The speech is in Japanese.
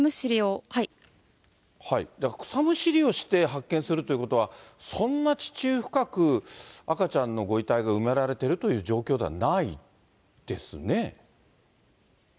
草むしりをして発見するということは、そんな地中深く赤ちゃんのご遺体が埋められているという状況ではないですね。